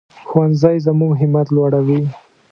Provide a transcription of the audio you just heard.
ښوونځی زموږ همت لوړوي